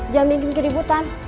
jangan bikin keributan